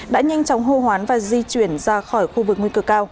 đã nhanh chóng hô hoán và di chuyển ra khỏi khu vực nguy cơ cao